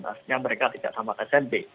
maksudnya mereka tidak tamat smp